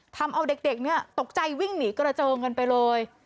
ทำเอาเด็กเนี่ยตกใจวิ่งหนีกระเจิงกันไปเลย